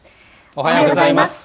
おはようございます。